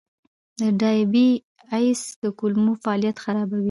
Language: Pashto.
د ډایبی ایس د کولمو فعالیت خرابوي.